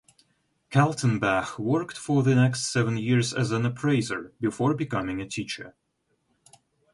Kaltenbach worked for the next seven years as an appraiser before becoming a teacher.